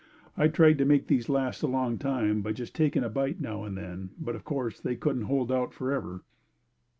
I tried to make these last a long time by just taking a bite now and then, but of course, they couldn't hold out forever.